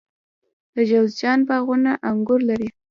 د جوزجان باغونه انګور لري.